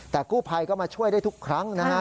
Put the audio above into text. แต่กู้ภัยก็มาช่วยได้ทุกครั้งนะฮะ